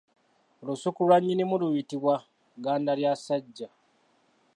Olusuku lwa nnyinimu luyitibwa Gandalyassajja.